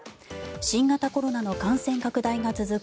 新型コロナの感染拡大が続く